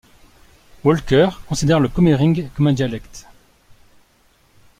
Walker considère le komering comme un dialecte.